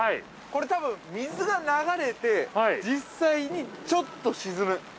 これ、多分、水が流れて実際にちょっと沈む。